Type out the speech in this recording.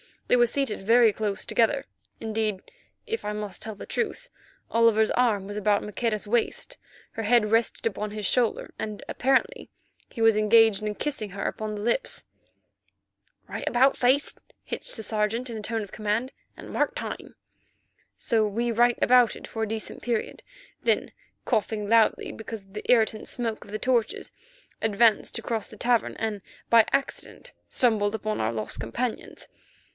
They were seated very close together; indeed, if I must tell the truth, Oliver's arm was about Maqueda's waist, her head rested upon his shoulder, and apparently he was engaged in kissing her upon the lips. "Right about face," hissed the Sergeant, in a tone of command, "and mark time!" So we right abouted for a decent period, then, coughing loudly—because of the irritant smoke of the torches—advanced to cross the cavern, and by accident stumbled upon our lost companions.